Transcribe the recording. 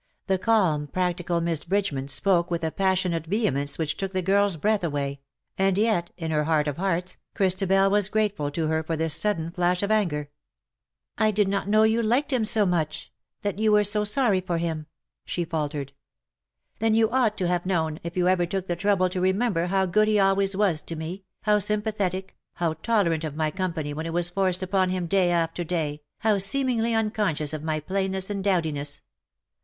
The calm, practical Miss Bridgeman spoke with a passionate vehemence which took the girl's breath away; and yet, in her heart of hearts, Christabel was grateful to her for this sudden flash of anger. LOVES YOU AS OF OLD." 105 " I did not know you liked him so much — that you were so sorry for him/^ she faltered. "Then you ought to have known, if you ever took the trouble to remember how good he always was to me, how sympathetic, how tolerant of my com pany when it was forced upon him day after day, how seemingly unconscious of my plainness and dowdiness.